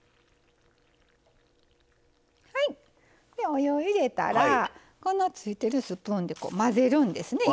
お湯を入れたらこのついてるスプーンでこう混ぜるんですね。